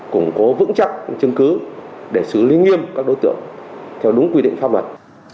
củng cố vững chắc chứng cứ để xử lý nghiêm các đối tượng theo đúng quy định pháp luật